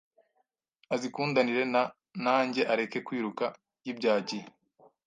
azikundanire na nanjye areke kwiruka yibyagiye